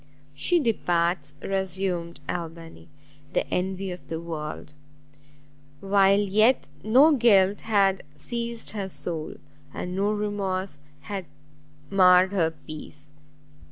"She departs," resumed Albany, "the envy of the world! while yet no guilt had seized her soul, and no remorse had marred her peace.